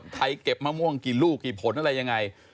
เก็บมะม่วงกี่ลูกกี่ผลอะไรยังไง